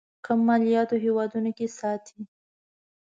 کم مالياتو هېوادونو کې ساتي.